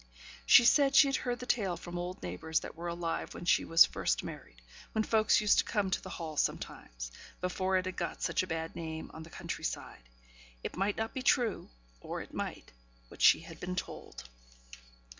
She said she had heard the tale from old neighbours that were alive when she was first married; when folks used to come to the hall sometimes, before it had got such a bad name on the country side: it might not be true, or it might, what she had been told.